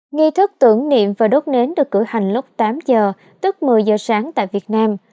nghi thức tưởng niệm và đốt nến được cử hành lúc tám giờ tức một mươi giờ sáng tại việt nam